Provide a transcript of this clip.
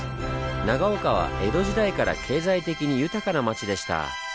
長岡は江戸時代から経済的に豊かな町でした。